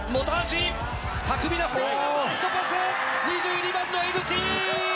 ２２番の江口。